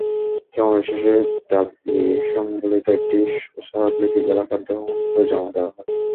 সমাবেশ শেষে দাবিসংবলিত একটি স্মারকলিপি জেলা খাদ্য কর্মকর্তার কাছে জমা দেওয়া হয়।